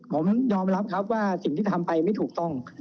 ผมยอมรับครับว่าสิ่งที่ทำไปไม่ถูกต้อง